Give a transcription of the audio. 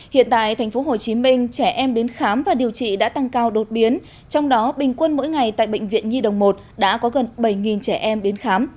hiện tại tp hcm trẻ em đến khám và điều trị đã tăng cao đột biến trong đó bình quân mỗi ngày tại bệnh viện nhi đồng một đã có gần bảy trẻ em đến khám